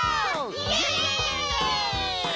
イエイ！